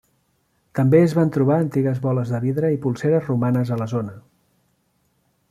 També es van trobar antigues boles de vidre i polseres romanes a la zona.